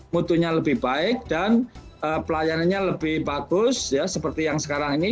mutunya lebih baik dan pelayanannya lebih bagus ya seperti yang sekarang ini